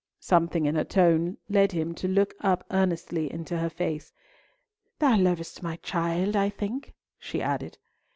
Something in her tone led him to look up earnestly in her face. "Thou lovest my child, I think," she added.